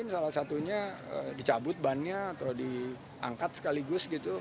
salah satunya dicabut bannya atau diangkat sekaligus gitu